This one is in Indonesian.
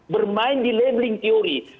bermain di labeling teori